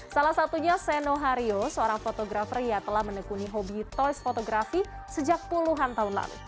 salah satunya seno hario seorang fotografer yang telah menekuni hobi toys fotografi sejak puluhan tahun lalu